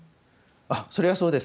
それはそうです。